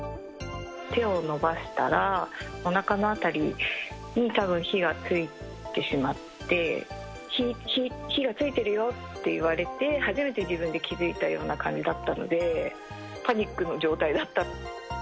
手を伸ばしたら、おなかの辺りにたぶん火がついてしまって、火がついてるよって言われて、初めて自分で気付いたような感じだったので、パニックの状態だっ